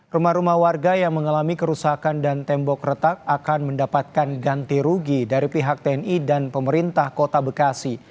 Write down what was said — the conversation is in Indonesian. rumah rumah warga yang mengalami kerusakan dan tembok retak akan mendapatkan ganti rugi dari pihak tni dan pemerintah kota bekasi